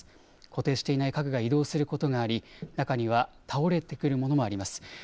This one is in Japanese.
固定していない家具が移動することがあり中には倒れてくるものもあります。